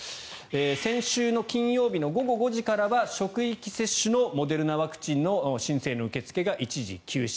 先週の金曜日の午後５時からは職域接種のモデルナワクチンの申請の受け付けが一時休止。